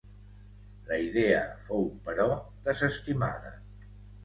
La idea fou, però, desestimada.